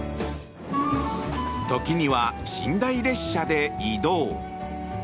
時には、寝台列車で移動。